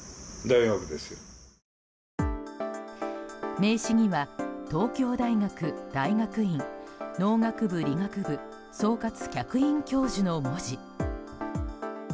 名刺には東京大学大学院農学部・理学部総括客員教授の文字。